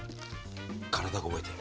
体が覚えてる。